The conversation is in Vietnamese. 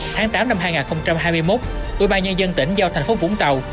tháng tám năm hai nghìn hai mươi một ủy ban nhân dân tỉnh giao thành phố vũng tàu